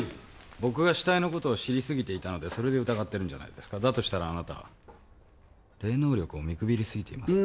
僕が死体のことを知りすぎていたので疑ってる？だとしたらあなた霊能力を見くびりすぎています。